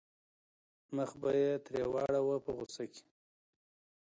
مخ به یې ترې واړاوه په غوسه کې.